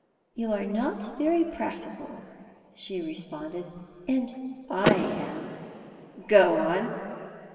"You are not very practical," she responded, "and I am." "Go on."